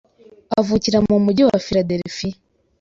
avukira mu mujyi wa Philadelphia